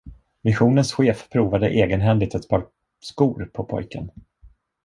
Missionens chef provade egenhändigt ett par skor på pojken.